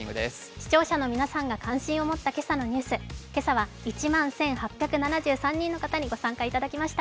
視聴者の皆さんが関心を持った今朝のニュース、今朝は１万１８７３人の方にご参加いただきました。